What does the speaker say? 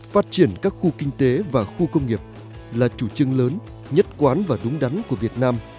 phát triển các khu kinh tế và khu công nghiệp là chủ trương lớn nhất quán và đúng đắn của việt nam